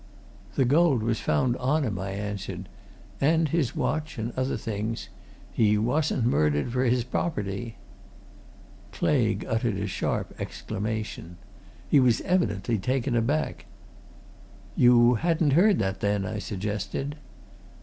"The gold was found on him," I answered. "And his watch and other things. He wasn't murdered for his property." Claigue uttered a sharp exclamation. He was evidently taken aback. "You hadn't heard that, then?" I suggested.